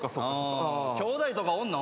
きょうだいとかおんの？